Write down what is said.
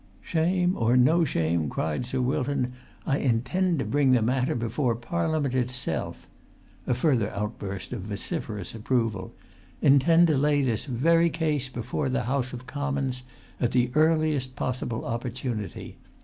"Shame or no shame," cried Sir Wilton, "I intend to bring the matter before Parliament itself"—a further outburst of vociferous approval—"intend to lay this very case before the House of Commons at the earliest possible opportunity.